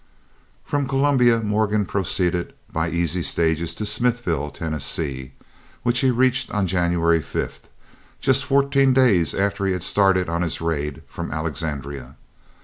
From Columbia Morgan proceeded by easy stages to Smithville, Tennessee, which he reached January 5, just fourteen days after he had started on his raid from Alexandria.